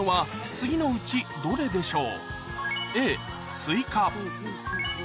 次のうちどれでしょう？